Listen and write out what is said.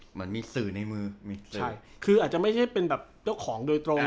เหมือนมีสื่อในมือใช่คืออาจจะไม่ใช่เป็นแบบเจ้าของโดยตรง